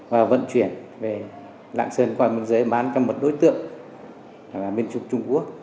và vận chuyển về lạng sơn qua miền dưới bán cho một đối tượng là miền trục trung quốc